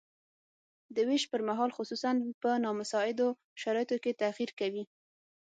د ویش پرمهال خصوصاً په نامساعدو شرایطو کې تغیر کوي.